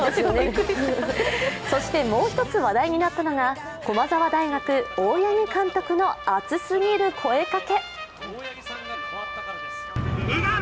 そして、もう１つ話題になったのが駒澤大学・大八木監督の熱すぎる声かけ。